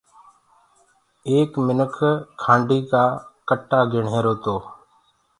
ايڪ آدميٚ کآنڊي ڪآ ڪٽآ گِڻ رهيرو تو۔